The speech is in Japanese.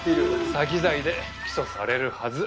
詐欺罪で起訴されるはず。